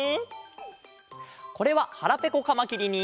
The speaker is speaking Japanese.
これは「はらぺこカマキリ」に。